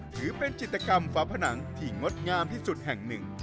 ถือเป็นจิตกรรมฝาผนังที่งดงามที่สุดแห่งหนึ่ง